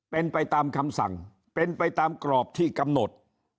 เป็นไปตามคำสั่งเป็นไปตามกรอบที่กำหนด